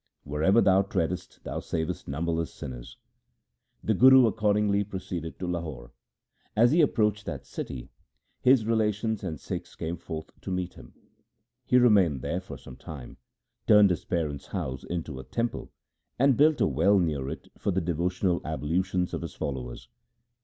Wherever thou treadest, thou savest numberless sinners.' The Guru accordingly proceeded to Lahore. As he approached that city, his relations and Sikhs came forth to meet him. He remained there for some time, turned his parents' house into a temple, and built a well near it for the devotional ablutions of his followers.